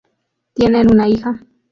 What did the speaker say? Tienen una hija.